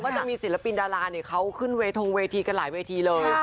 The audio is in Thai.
จะมีศิลปินดาราเนี่ยเขาขึ้นเวทงเวทีกันหลายเวทีเลย